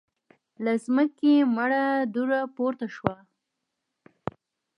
له ځمکې مړه دوړه پورته شوه.